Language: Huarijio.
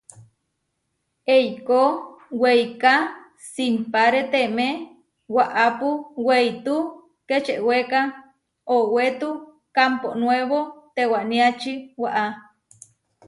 Eikó weiká simpáreteme waʼápu weitú Kečewéka, owetú Kámpo Nuébo tewániači waʼá.